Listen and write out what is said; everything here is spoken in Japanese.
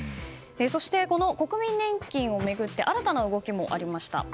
そして、国民年金を巡って新たな動きもありました。